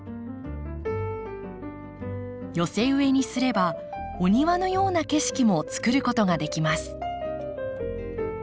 寄せ植えにすればお庭のような景色もつくることができます。